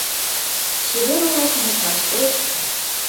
Чевер олык мучаштет